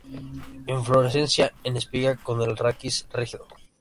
Inflorescencia en espiga con el raquis rígido.